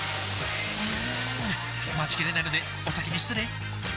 うーん待ちきれないのでお先に失礼！